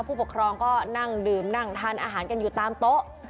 ผู้ปกครองก็นั่งดื่มนั่งทานอาหารกันอยู่ตามโต๊ะ